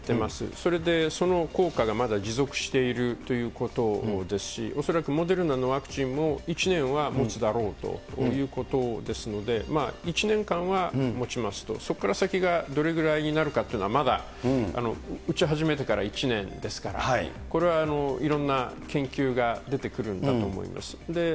それで、その効果がまだ持続しているということですし、恐らくモデルナのワクチンも１年はもつだろうということですので、１年間はもちますと、そこから先がどれぐらいになるかというのは、まだ打ち始めてから１年ですから、これはいろんな研究が出てくるんだと思います。